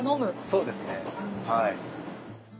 そうですねはい。